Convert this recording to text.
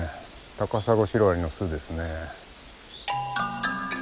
タカサゴシロアリの巣ですね。